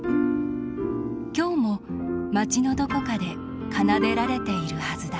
今日も街のどこかで奏でられているはずだ。